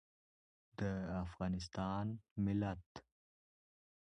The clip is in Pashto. د افغانستان ملت